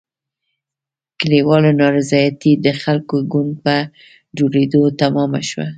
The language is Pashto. کلیوالو نارضایتي د خلکو ګوند په جوړېدو تمامه شوه.